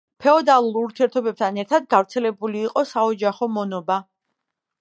ფეოდალურ ურთიერთობებთან ერთად გავრცელებული იყო საოჯახო მონობა.